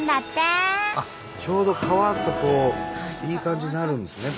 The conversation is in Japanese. ちょうど川とこういい感じになるんですね。